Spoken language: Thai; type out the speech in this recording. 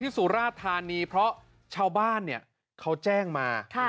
สุราธานีเพราะชาวบ้านเนี่ยเขาแจ้งมา